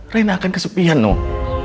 reina akan kesepian nung